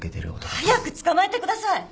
早く捕まえてください